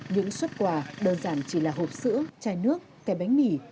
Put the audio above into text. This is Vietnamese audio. những xuất quà đơn giản chỉ là hộp sữa chai nước cái bánh mì